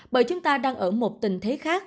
bởi chúng ta đang ở một tình thế khác